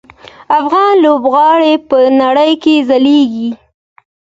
افغان لوبغاړي په نړۍ کې ځلیږي.